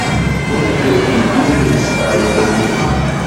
Poste li iris al Peruo.